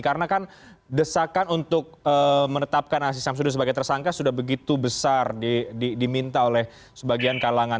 karena kan desakan untuk menetapkan aziz syamsuddin sebagai tersangka sudah begitu besar diminta oleh sebagian kalangan